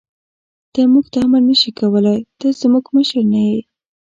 ته موږ ته امر نه شې کولای، ته زموږ مشر نه یې.